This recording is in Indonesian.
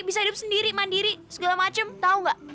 bisa hidup sendiri mandiri segala macem tahu nggak